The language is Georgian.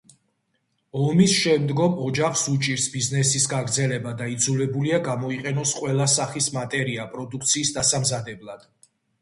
ომის შემდგომ, ოჯახს უჭირს ბიზნესის გაგრძელება და იძულებულია გამოიყენოს ყველა სახის მატერია პროდუქციის დასამზადებლად.